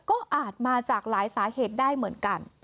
ก็อาจมาจากหลายสาเหตุได้เหมือนกัน